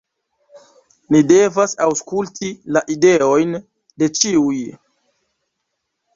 "Ni devas aŭskulti la ideojn de ĉiuj."